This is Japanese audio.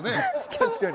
確かに。